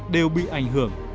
đều bị ảnh hưởng